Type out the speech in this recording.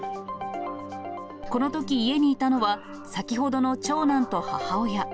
このとき家にいたのは、先ほどの長男と母親。